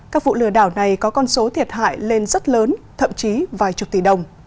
các vụ lừa đảo này có con số thiệt hại lên rất lớn thậm chí vài chục tỷ đồng